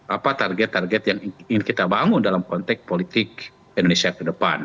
apa target target yang ingin kita bangun dalam konteks politik indonesia ke depan